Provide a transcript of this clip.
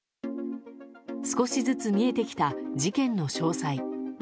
少しずつ見えてきた事件の詳細。